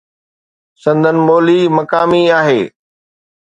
سندن ٻولي مقامي آهي.